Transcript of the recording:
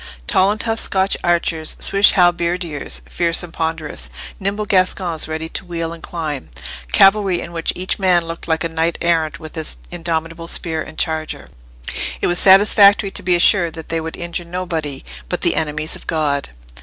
Tall and tough Scotch archers, Swiss halberdiers fierce and ponderous, nimble Gascons ready to wheel and climb, cavalry in which each man looked like a knight errant with his indomitable spear and charger—it was satisfactory to be assured that they would injure nobody but the enemies of God!